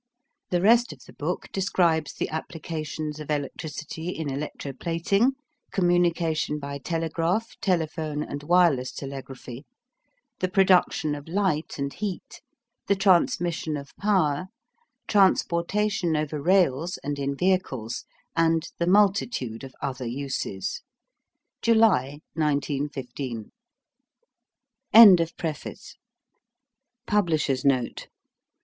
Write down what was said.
The rest of the book describes the applications of electricity in electroplating, communication by telegraph, telephone, and wireless telegraphy, the production of light and heat, the transmission of power, transportation over rails and in vehicles, and the multitude of other uses. July, 1915. PUBLISHERS' NOTE.